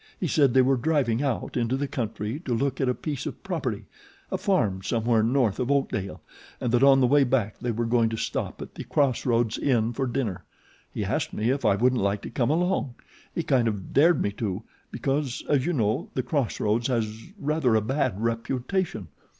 He said they were driving out into the country to look at a piece of property a farm somewhere north of Oakdale and that on the way back they were going to stop at The Crossroads Inn for dinner. He asked me if I wouldn't like to come along he kind of dared me to, because, as you know, The Crossroads has rather a bad reputation.